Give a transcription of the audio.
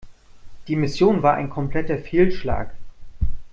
Die Mission war ein kompletter Fehlschlag.